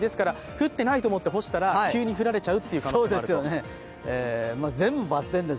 降ってないと思って干したら急に降られちゃう可能性もあると。